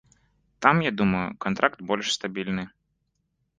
Там, я думаю, кантракт больш стабільны.